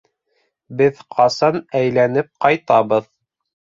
Беҙ ҡасан әйләнеп ҡайтабыҙ?